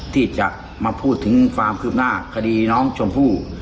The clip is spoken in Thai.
ที่จะมาพูดถึงความคืบหน้าคดีน้องชมพู่